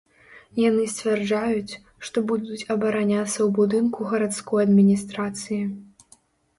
Яны сцвярджаюць, што будуць абараняцца ў будынку гарадской адміністрацыі.